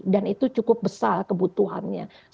dan itu cukup besar kebutuhannya